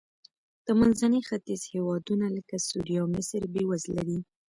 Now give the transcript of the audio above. د منځني ختیځ هېوادونه لکه سوریه او مصر بېوزله دي.